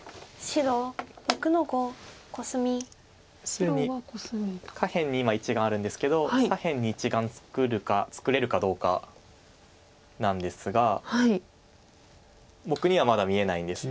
既に下辺に今１眼あるんですけど左辺に１眼作るか作れるかどうかなんですが僕にはまだ見えないんです。